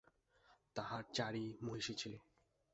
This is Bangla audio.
তাঁহার চারি মহিষী ছিল।